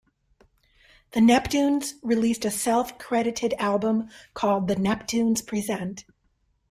The Neptunes released a self-credited album called The Neptunes Present...